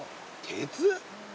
鉄？